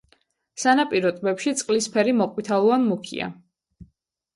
სანაპირო ტბებში წყლის ფერი მოყვითალო ან მუქია.